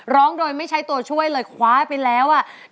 ร้องโดยไม่ใช้ตัวช่วยเลยคว้าไปแล้วอ่ะ